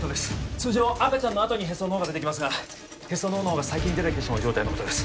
通常赤ちゃんのあとにへその緒が出てきますがへその緒のほうが先に出てきてしまう状態のことです